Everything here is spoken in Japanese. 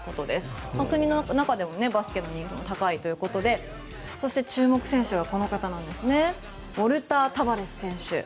国の中でのバスケの人気も高いということで注目選手がウォルター・タバレス選手。